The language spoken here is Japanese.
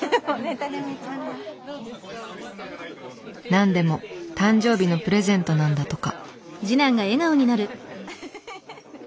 なんでも誕生日のプレゼントなんだとか。